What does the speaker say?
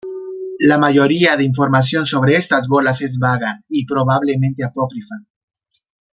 La mayoría de información sobre estas bolas es vaga y probablemente apócrifa.